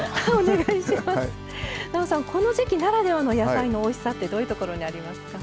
この時季ならではの野菜のおいしさってどういうところにありますか？